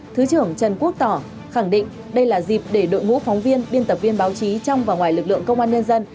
thứ trưởng trần quốc tỏ khẳng định đây là dịp để đội ngũ phóng viên biên tập viên báo chí trong và ngoài lực lượng công an nhân dân